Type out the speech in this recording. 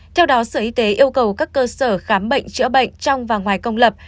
theo đó sở y tế yêu cầu các cơ sở khám bệnh chữa bệnh trong và ngoài công lập